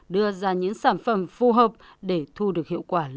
đưa ra những sản phẩm phù hợp để thu được hiệu quả lớn